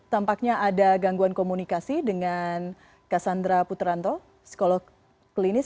tampaknya ada gangguan komunikasi dengan cassandra putranto psikolog klinis